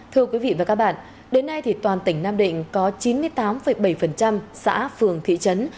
thưa quý vị và các bạn đến nay thì toàn tỉnh nam định có chín mươi tám bảy xã phường thị trấn